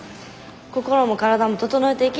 心も体も整えていき。